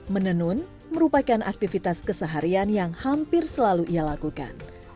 menenun merupakan aktivitas keseharian yang hampir selalu ia lakukan